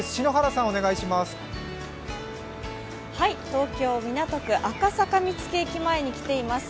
東京・港区赤坂見附駅前に来ています。